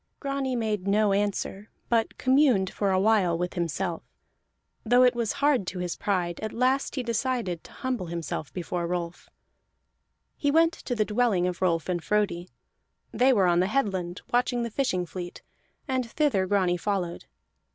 Grani made no answer, but communed for a while with himself; though it was hard to his pride, at last he decided to humble himself before Rolf. He went to the dwelling of Rolf and Frodi; they were on the headland watching the fishing fleet, and thither Grani followed.